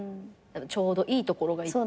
ちょうどいいところがいい。